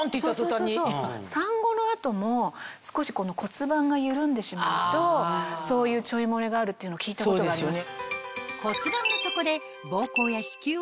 産後の後も少し骨盤が緩んでしまうとそういうちょいもれがあるって聞いたことがあります。